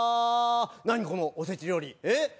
何このおせち料理。